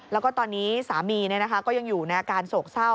แล้วก็ตอนนี้สามีก็ยังอยู่ในอาการโศกเศร้า